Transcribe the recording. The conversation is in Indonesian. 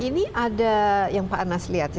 ini ada yang pak anas lihat ya